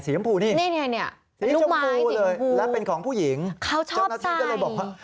สีชมพูเลยและเป็นของผู้หญิงเจ้าหน้าที่จะเลยบอกว่าเขาชอบใส่